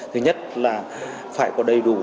thứ nhất là phải có đầy đủ